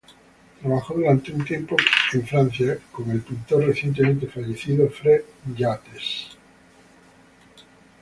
Trabajó durante un tiempo en Francia con el pintor, recientemente fallecido, Fred Yates.